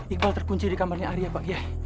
iqbal terkunci di kamarnya ar ya roads pak qiyai